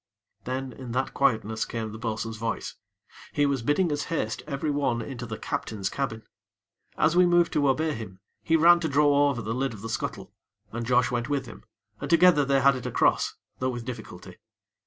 Then, in that quietness, came the bo'sun's voice. He was bidding us haste every one into the captain's cabin. As we moved to obey him, he ran to draw over the lid of the scuttle; and Josh went with him, and, together, they had it across; though with difficulty.